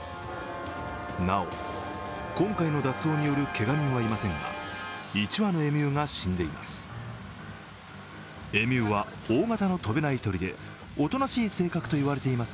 なお、今回の脱走によるけが人はいませんが１羽のエミューが死んでいます。